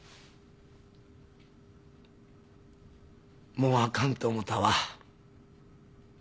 もうあかんて思たわ。